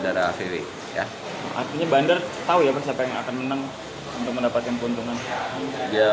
dari luar indonesia pak